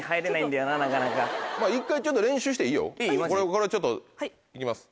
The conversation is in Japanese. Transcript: これちょっといきます。